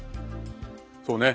そうね。